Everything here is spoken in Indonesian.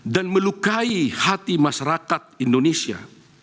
dan melukai hati masyarakat indonesia